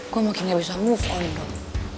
saya makin tidak bisa bergerak boy